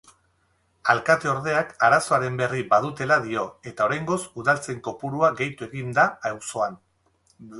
Alkate-ordeak arazoaren berri badutela dio eta oraingoz udaltzain kopurua gehitu egin da auzoan.